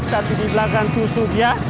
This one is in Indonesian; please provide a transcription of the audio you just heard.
tapi di belakang tusuknya